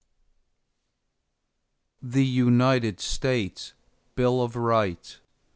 The United States Bill of Rights.